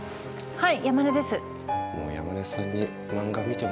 はい。